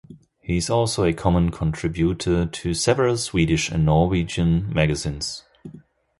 He is also a common contributor to several Swedish and Norwegian magazines.